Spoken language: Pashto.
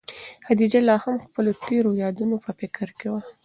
خدیجه لا هم د خپلو تېرو یادونو په فکر کې وه.